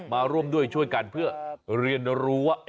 มาร่วมด้วยช่วยกันเพื่อเรียนรู้ว่า